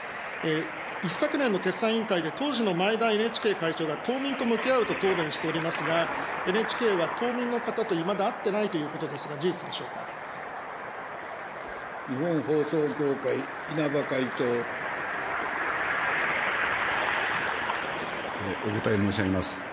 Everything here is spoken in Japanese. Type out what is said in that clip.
一昨年の決算委員会で、当時の前田ＮＨＫ会長が、島民と向き合うと答弁しておりますが、ＮＨＫは島民の方といまだ会っていないということですが、事実で日本放送協会、お答え申し上げます。